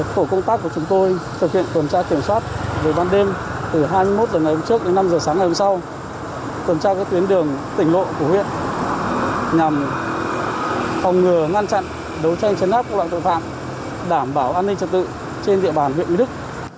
tổ công tác của chúng tôi thực hiện tuần tra kiểm soát về ban đêm từ hai mươi một h ngày hôm trước đến năm h sáng ngày hôm sau tuần tra các tuyến đường tỉnh lộ của huyện nhằm phòng ngừa ngăn chặn đấu tranh chấn áp loại tội phạm đảm bảo an ninh trật tự trên địa bàn huyện mỹ đức